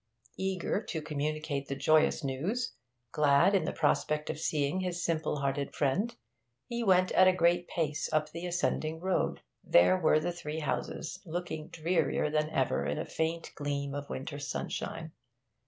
Eager to communicate the joyous news, glad in the prospect of seeing his simple hearted friend, he went at a great pace up the ascending road. There were the three houses, looking drearier than ever in a faint gleam of winter sunshine.